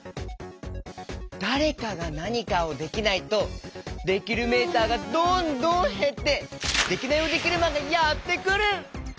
だれかがなにかをできないとできるメーターがどんどんへってデキナイヲデキルマンがやってくる！